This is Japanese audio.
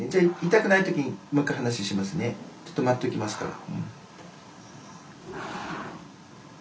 ちょっと待っときますから。